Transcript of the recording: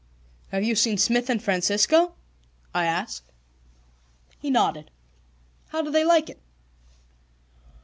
"Have you seen Smith and Francisco?" I asked. He nodded. "How do they like it?"